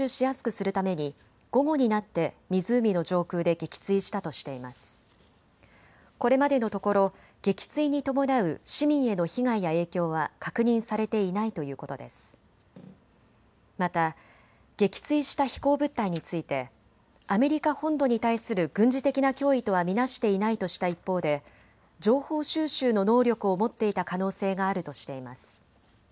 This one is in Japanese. また撃墜した飛行物体についてアメリカ本土に対する軍事的な脅威とは見なしていないとした一方で情報収集の能力を持っていた可能性があるとしています。